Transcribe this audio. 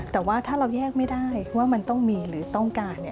แต่ว่าถ้าเราแยกไม่ได้ว่ามันต้องมีหรือต้องการ